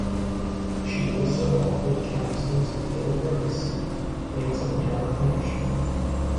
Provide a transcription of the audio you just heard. She also offered counsel to Phil Bredesen, later mayor of Nashville.